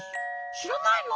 「知らないの！？